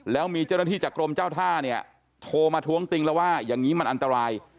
แล้วมีเจ้าหน้าที่จากกรมเจ้าท่าเนี่ยโทรมาท้วงติงแล้วว่าอย่างนี้มันอันตราย